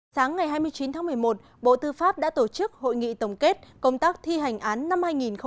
sáng ngày hai mươi chín tháng một mươi một bộ tư pháp đã tổ chức hội nghị tổng kết công tác thi hành án năm hai nghìn một mươi chín